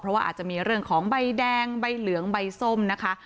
เพราะว่าอาจจะมีเรื่องของใบแดงใบเหลืองใบส้มนะคะ